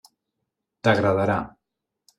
T'agradarà.